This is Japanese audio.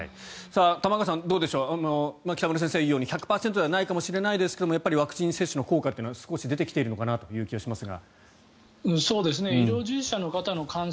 玉川さん、どうでしょう北村さんが言うように１００％ではないかもしれませんがワクチン接種の効果は少し出てきているのかなという気がしますが。